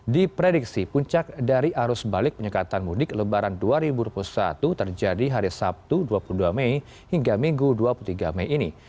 diprediksi puncak dari arus balik penyekatan mudik lebaran dua ribu dua puluh satu terjadi hari sabtu dua puluh dua mei hingga minggu dua puluh tiga mei ini